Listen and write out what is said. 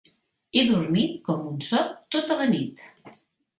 He dormit com un soc tota la nit.